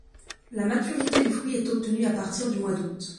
La maturité du fruit est obtenue à partir du mois d'août.